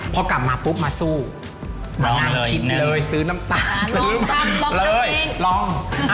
พอกลับมาปุ๊บมาสู้มานั่งคิดเลยซื้อน้ำตาลลองทำลองทำเอง